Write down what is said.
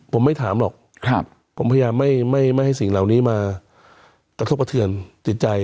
ผมไม่ถามหรอกผมพยายามไม่ให้สิ่งเหล่านี้มากระทบกระเทือนจิตใจ